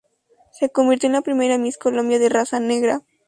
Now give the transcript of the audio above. Se convirtió en la primera Miss Colombia de raza negra.